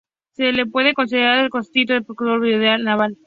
Se le puede considerar un precursor del blindaje naval.